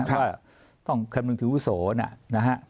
ว่าต้องคำนึงถึงวุโสนะฮะ